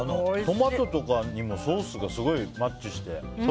トマトとかにもすごいソースがマッチして。